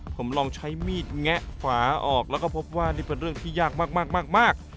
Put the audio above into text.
ผมลองใช้มีดแงะฝาออกแล้วก็พบว่านี่เป็นเรื่องที่ยากมาก